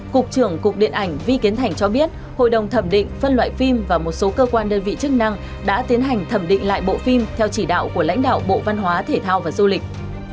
cục trưởng cục điện ảnh vi kiến thành cho biết hội đồng thẩm định phân loại phim và một số cơ quan đơn vị chức năng đã tiến hành thẩm định lại bộ phim theo chỉ đạo của lãnh đạo bộ văn hóa thể thao và du lịch